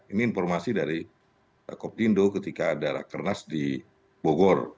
ini informasi dari raskakopindo ketika ada kernas di bogor